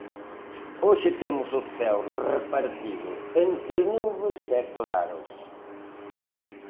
Hoxe temos o ceo repartido entre nubes e claros.